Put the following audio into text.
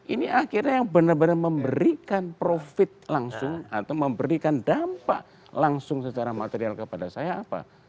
ini akhirnya yang benar benar memberikan profit langsung atau memberikan dampak langsung secara material kepada saya apa